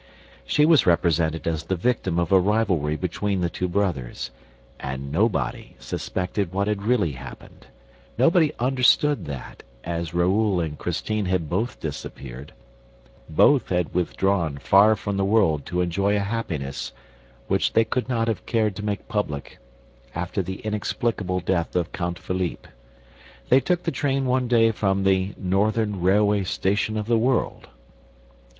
... She was represented as the victim of a rivalry between the two brothers; and nobody suspected what had really happened, nobody understood that, as Raoul and Christine had both disappeared, both had withdrawn far from the world to enjoy a happiness which they would not have cared to make public after the inexplicable death of Count Philippe ... They took the train one day from "the northern railway station of the world."